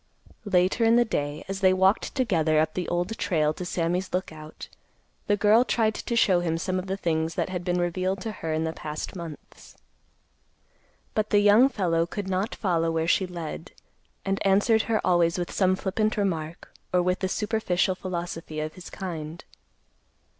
Later in the day, as they walked together up the Old Trail to Sammy's Lookout, the girl tried to show him some of the things that had been revealed to her in the past months. But the young fellow could not follow where she led, and answered her always with some flippant remark, or with the superficial philosophy of his kind.